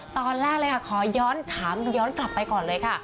ตอนแรกเลยค่ะขอย้อนถามย้อนกลับไปก่อนเลยค่ะ